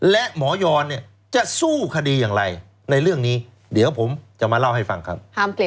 และหมอยอนเนี่ยจะสู้คดีอย่างไรในเรื่องนี้เดี๋ยวผมจะมาเล่าให้ฟังครับ